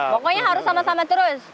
pokoknya harus sama sama terus